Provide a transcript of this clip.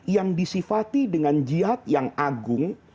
yang disifati dengan jihad yang agung